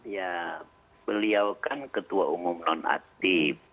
ya beliau kan ketua umum non aktif